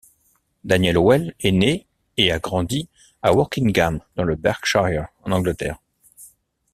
Daniel Howell est né et à grandi à Workingham, dans le Berkshire, en Angleterre.